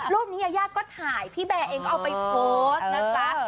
รูปนี้ยายาก็ถ่ายพี่แบร์เองก็เอาไปโพสต์นะจ๊ะ